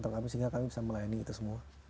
tetapi sehingga kami bisa melayani itu semua